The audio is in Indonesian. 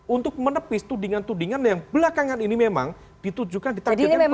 untuk menepis tudingan tudingan yang belakangan ini memang ditujukan ditarikkan kepada beliau